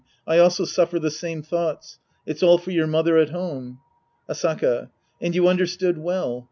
I also suffer the same thoughts. It's all for your mother at home." Asaka. And you understood well.